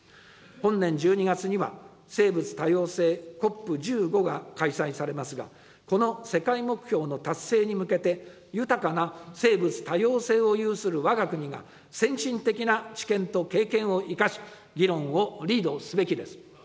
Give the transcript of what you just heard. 本年１２月には、生物多様性ＣＯＰ１５が開催されますが、この世界目標の達成に向けて、豊かな生物多様性を有するわが国が先進的な知見と経験を生かし、議論をリードすべきです。